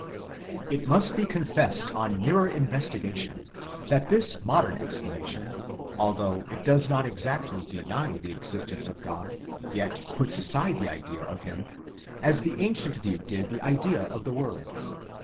It must be confessed on nearer investigation, that this modern explanation, DEVELOPMENT OF THE MYTHICAL POINT OF VIEW. 79 although it does not exactly deny the existence of God, yet puts aside the idea of him, as the ancient view did the idea of the world.